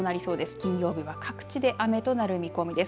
金曜日は各地で雨となる見込みです。